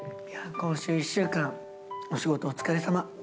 今週１週間、お仕事お疲れさま。